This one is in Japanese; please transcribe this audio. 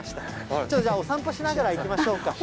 ちょっとじゃあ、お散歩しながら行きましょうか。